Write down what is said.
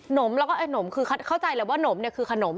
หนมแล้วก็หนมคือเข้าใจแล้วว่าหนมเนี่ยคือขนม